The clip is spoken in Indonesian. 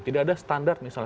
tidak ada standar misalnya